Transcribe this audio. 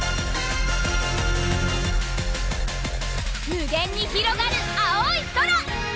無限にひろがる青い空！